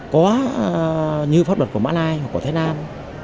có như pháp luật của malaysia hoặc của thái lan